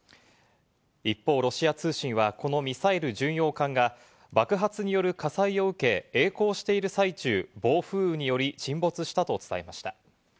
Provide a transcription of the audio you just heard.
一方、ロシア通信はこのミサイル巡洋艦が爆発による火災を受け、曳航している最中、暴風雨により沈没したと伝えました。